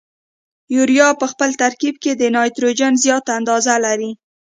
یوریا په خپل ترکیب کې د نایتروجن زیاته اندازه لري.